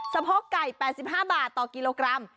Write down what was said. โพกไก่๘๕บาทต่อกิโลกรัม